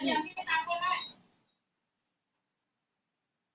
เดี๋ยวพี่ไปทางก้นให้